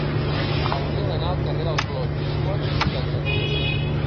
Hauria d'anar al carrer del Clot número vuitanta-nou.